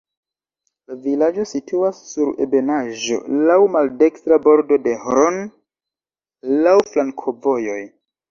La vilaĝo situas sur ebenaĵo, laŭ maldekstra bordo de Hron, laŭ flankovojoj.